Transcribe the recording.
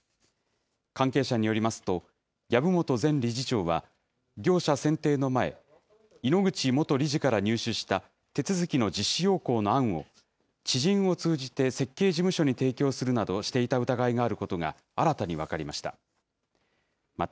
関係者によりますと、籔本前理事長は、業者選定の前、井ノ口元理事から入手した手続きの実施要項の案を、知人を通じて設計事務所に提供するなどしていた疑いがあることが新たに分かりました。